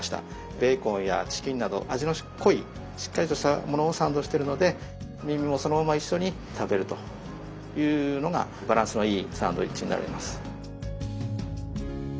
ベーコンやチキンなど味の濃いしっかりとしたものをサンドしてるのでみみもそのまま一緒に食べるというのがバランスのいいサンドイッチになります。